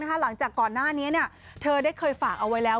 หลังจากก่อนหน้านี้เธอได้เคยฝากเอาไว้แล้ว